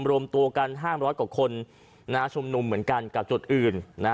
รวมตัวกัน๕๐๐กว่าคนชุมนุมเหมือนกันกับจุดอื่น